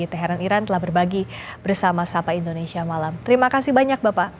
teh heran iran telah berbagi bersama sapa indonesia malam terima kasih banyak bapak